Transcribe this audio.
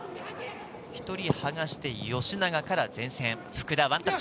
１人剥がして、吉永から前線、福田ワンタッチ。